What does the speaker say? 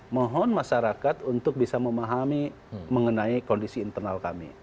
mohon masyarakat untuk bisa memahami mengenai kondisi internal kami